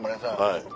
はい。